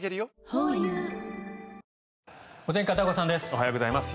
おはようございます。